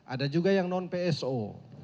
ada juga yang non pso